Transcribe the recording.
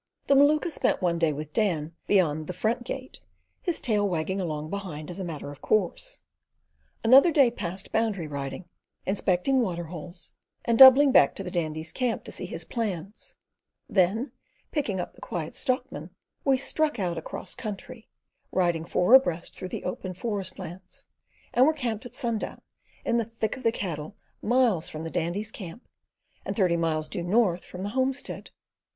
The Maluka spent one day with Dan beyond the "frontgate"—his tail wagging along behind as a matter of course—another day passed boundary riding, inspecting water holes, and doubling back to the Dandy's camp to see his plans; then, picking up the Quiet Stockman, we struck out across country, riding four abreast through the open forest lands, and were camped at sundown, in the thick of the cattle, miles from the Dandy's camp, and thirty miles due north from the homestead.